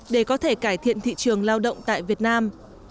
để có thể cải thiện thị trường lao động tại việt nam